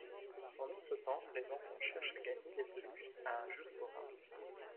Pendant ce temps, les enfants cherchent à gagner des peluches à un jeu forain.